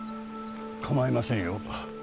かまいませんよ